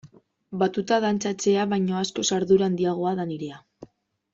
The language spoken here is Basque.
Batuta dantzatzea baino askoz ardura handiagoa da nirea.